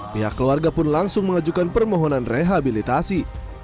pihak keluarga pun langsung mengajukan permohonan rehabilitasi